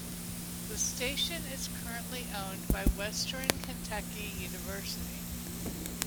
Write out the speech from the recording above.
The station is currently owned by Western Kentucky University.